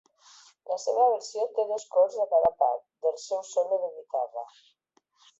La seva versió té dos cors a cada part del seu solo de guitarra.